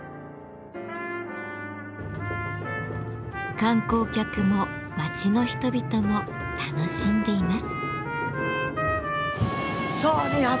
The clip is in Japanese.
観光客も街の人々も楽しんでいます。